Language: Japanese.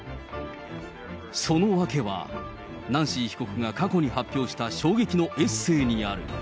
その訳は、ナンシー被告が過去に発表した衝撃のエッセーにある。